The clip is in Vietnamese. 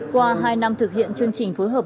qua hai năm thực hiện chương trình phối hợp